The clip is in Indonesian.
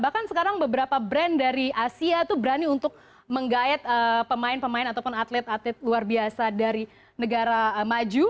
bahkan sekarang beberapa brand dari asia itu berani untuk menggayat pemain pemain ataupun atlet atlet luar biasa dari negara maju